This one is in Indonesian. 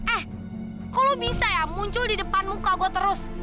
eh kalau bisa ya muncul di depan muka gue terus